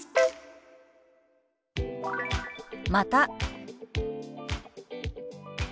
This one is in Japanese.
「また」。